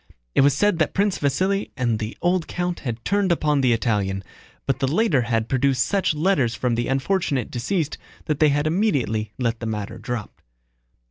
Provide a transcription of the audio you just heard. It was said that Prince Vasíli and the old count had turned upon the Italian, but the latter had produced such letters from the unfortunate deceased that they had immediately let the matter drop.